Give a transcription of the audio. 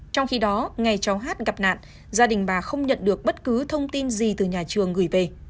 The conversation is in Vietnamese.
trong khi đó ngày cháu hát gặp nạn gia đình bà không nhận được bất cứ thông tin gì từ nhà trường gửi về